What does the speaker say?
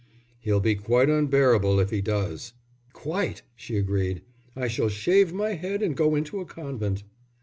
"He'll be quite unbearable if he does." "Quite!" she agreed. "I shall shave my head and go into a convent."